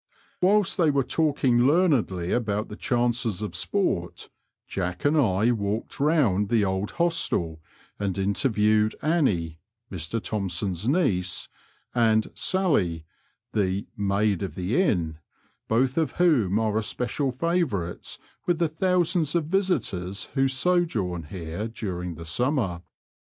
"Whilst they were talking learnedly about the chances of sport, Jack and I walked round the old hostel and interviewed Annie (Mr Thompon's niece) and *' Sally," the " Maid of the Inn," both of whom are especial favourites with the thousands of visitors who sojourn here during the summer.